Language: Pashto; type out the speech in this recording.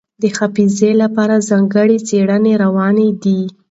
د حافظې لپاره ځانګړې څېړنې روانې دي.